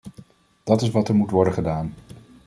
Dat is wat er moet worden gedaan.